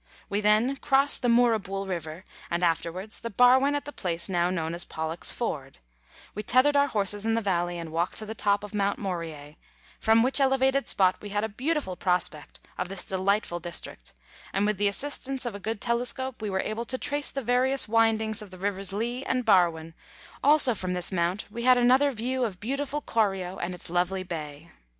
We then crossed the Moorabool River, and afterwards the Barwon at the place now known as Pollock's Ford ; we tethered our horses in the valley and walked to the top of Mount Moriac, from which elevated spot we had a beautiful prospect of this delightful district, and with the assistance of a good telescope we were able to trace the various windings of the Rivers Leigh and Barwon ; also from this mount we had another view of beautiful Corio and its lovely bay.